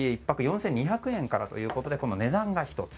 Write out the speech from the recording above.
１泊４２００円からということで値段が１つ。